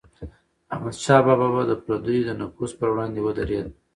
احمدشاه بابا به د پردیو د نفوذ پر وړاندې ودرید.